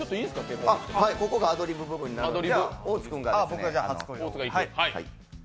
ここがアドリブ部分になるので。